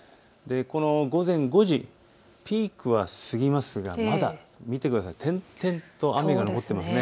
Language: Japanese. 午前５時、ピークは過ぎますがまだ見てください、点々と雨が残っています。